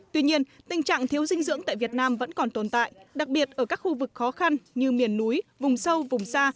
tuy nhiên tình trạng thiếu dinh dưỡng tại việt nam vẫn còn tồn tại đặc biệt ở các khu vực khó khăn như miền núi vùng sâu vùng xa